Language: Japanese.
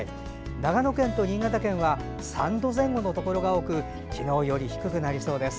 長野県と新潟県は３度前後のところが多く昨日より低くなりそうです。